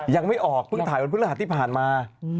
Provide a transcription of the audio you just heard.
ยังไม่ออกเพิ่งถ่ายวันพฤหัสที่ผ่านมา